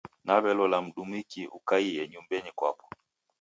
Naw'elola mdumiki ukaie nyumbenyi kwapo.